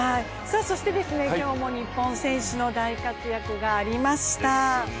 今日も日本選手の大活躍がありました。